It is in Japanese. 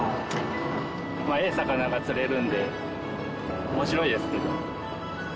ええ魚が釣れるんで面白いですけど。